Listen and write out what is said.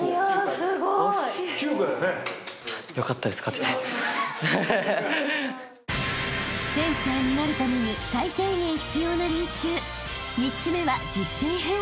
すごい！［フェンサーになるために最低限必要な練習３つ目は実践編］